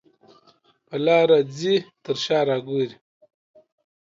په لاره ځې تر شا را ګورې.